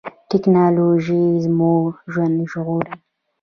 ټیکنالوژي مو ژوند ژغوري